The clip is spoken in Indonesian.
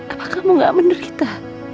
apakah kamu nggak menderita